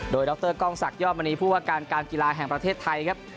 โดยดรกล้องศักดิยอดมณีผู้ว่าการการกีฬาแห่งประเทศไทยครับ